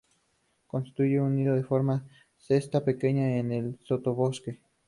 Construye un nido en forma de cesta pequeña en el sotobosque.